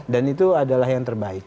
dan itu adalah yang terbaik